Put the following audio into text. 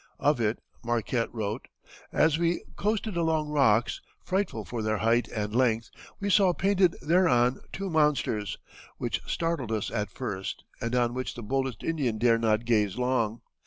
Of it Marquette wrote: "As we coasted along rocks, frightful for their height and length, we saw painted thereon two monsters, which startled us at first, and on which the boldest Indian dare not gaze long.